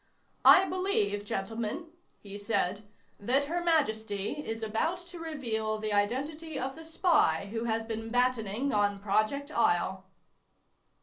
"I believe, gentlemen," he said, "that Her Majesty is about to reveal the identity of the spy who has been battening on Project Isle."